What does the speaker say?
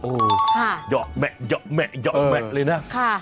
โอ้โฮหยอกแมะเลยนะ